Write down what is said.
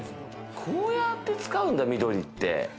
こうやって使うんだ、緑って。